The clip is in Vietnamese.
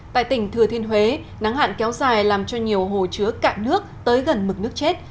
tại tỉnh thừa thiên huế nắng hạn kéo dài làm cho nhiều hồ chứa cạn nước tới gần mực nước chết